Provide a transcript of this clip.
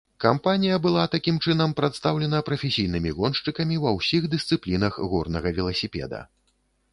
Кампанія была, такім чынам, прадстаўлена прафесійнымі гоншчыкамі ва ўсіх дысцыплінах горнага веласіпеда.